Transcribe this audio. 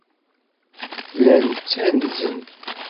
Llan ttanzen.